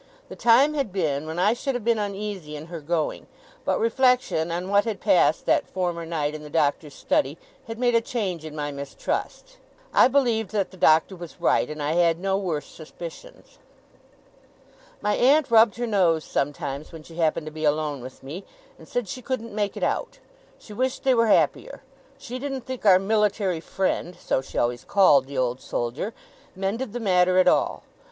The time had been, when I should have been uneasy in her going; but reflection on what had passed that former night in the Doctor's study, had made a change in my mistrust. I believed that the Doctor was right, and I had no worse suspicions. My aunt rubbed her nose sometimes when she happened to be alone with me, and said she couldn't make it out; she wished they were happier; she didn't think our military friend (so she always called the Old Soldier) mended the matter at all.